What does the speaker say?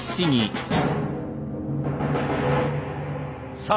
さあ